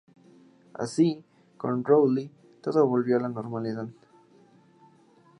Así, con Rowley todo volvió a la normalidad.